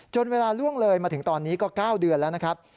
เวลาล่วงเลยมาถึงตอนนี้ก็๙เดือนแล้วนะครับ